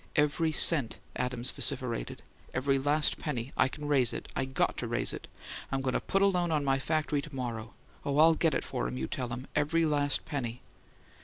"Every cent!" Adams vociferated. "Every last penny! I can raise it I GOT to raise it! I'm going to put a loan on my factory to morrow. Oh, I'll get it for him, you tell him! Every last penny!"